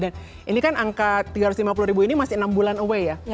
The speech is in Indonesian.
dan ini kan angka tiga ratus lima puluh ribu ini masih enam bulan away ya